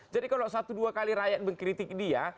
jadi kalau satu dua kali rakyat mengkritik dia